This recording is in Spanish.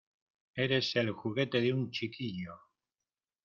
¡ Eres el juguete de un chiquillo!